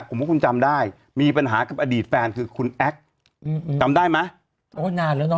ผมว่าคุณจำได้มีปัญหากับอดีตแฟนคือคุณแอ๊กจำได้มั้ย